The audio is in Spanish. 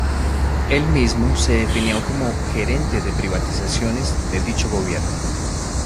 Él mismo se definió como "Gerente de Privatizaciones" de dicho gobierno.